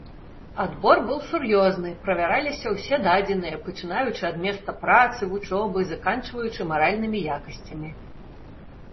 Адбор быў сур'ёзны, правяраліся ўсе дадзеныя, пачынаючы ад месца працы, вучобы, заканчваючы маральнымі якасцямі.